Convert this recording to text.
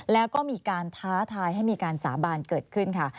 แล้วก็มีการท้าทายให้มีการสาบานเกิดขึ้นค่ะ